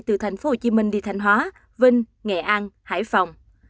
từ thành phố hồ chí minh đi thành hóa vinh nghệ an hải phòng